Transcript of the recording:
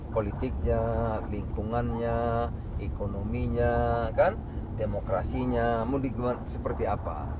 politiknya lingkungannya ekonominya demokrasinya mudiknya seperti apa